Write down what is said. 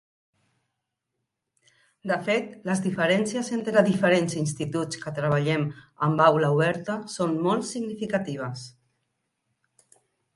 De fet, les diferències entre diferents instituts que treballem amb aula oberta són molt significatives.